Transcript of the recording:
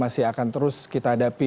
masih akan terus kita hadapi